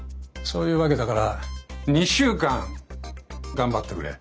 そういうわけだから２週間頑張ってくれ。